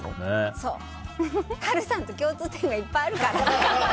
波瑠さんと共通点がいっぱいあるから。